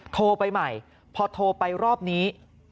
โทรไปใหม่พอโทรไปรอบนี้